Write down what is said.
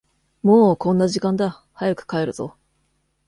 もうこんな時間だ、早く帰るぞ。